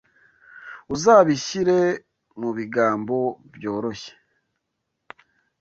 Uzabishyire mubigambo byoroshye?